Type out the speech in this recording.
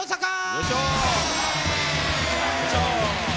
よいしょ。